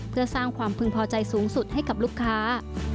เพื่อสร้างความพึงพอใจสูงสุดให้กับลูกค้า